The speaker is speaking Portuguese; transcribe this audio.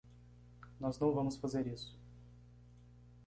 Nós não vamos fazer isso.